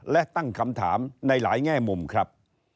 และตั้งคำถามในหลายแง่มุมครับ